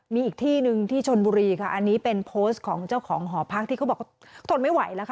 มีอีกที่หนึ่งที่ชนบุรีค่ะอันนี้เป็นโพสต์ของเจ้าของหอพักที่เขาบอกเขาทนไม่ไหวแล้วค่ะ